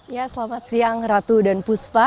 ya selamat siang ratu dan puspa